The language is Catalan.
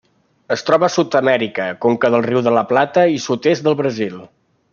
Es troba a Sud-amèrica: conca del riu de La Plata i sud-est del Brasil.